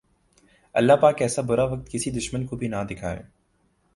اللہ پاک ایسا برا وقت کسی دشمن کو بھی نہ دکھائے